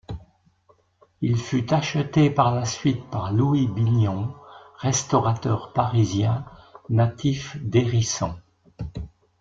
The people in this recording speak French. Il fut acheté par la suite par Louis Bignon, restaurateur parisien natif d'Hérisson.